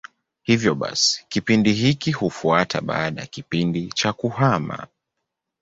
Hivyo basi kipindi hiki hufuata baada ya kipindi cha kuhama.